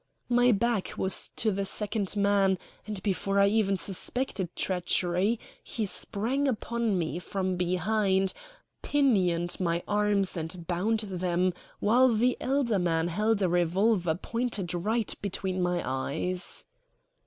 My back was to the second man, and before I even suspected treachery he sprang upon me from behind, pinioned my arms, and bound them, while the elder man held a revolver pointed right between my eyes.